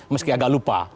meski agak lupa